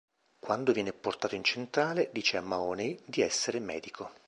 Quando viene portato in centrale, dice a Mahoney di essere medico.